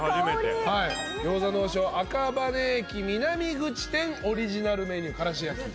香り餃子の王将赤羽駅南口店オリジナルメニューからし焼き